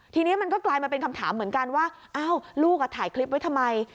ทีนี้มันก็กลายมาเป็นคำถามเหมือนกันว่าอ้าวลูกถ่ายคลิปไว้ทำไม